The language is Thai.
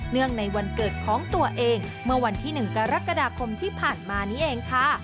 ในวันเกิดของตัวเองเมื่อวันที่๑กรกฎาคมที่ผ่านมานี้เองค่ะ